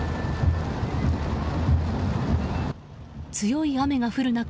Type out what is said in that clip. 強い雨が降る中